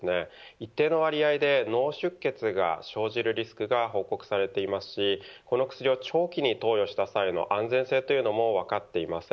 一定の割合で脳出血が生じるリスクが報告されていますしこの薬を長期に投与した際の安全性というのも分かっていません。